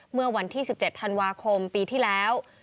เมื่อวันที่๑๗ธันวาคมปีที่แล้ว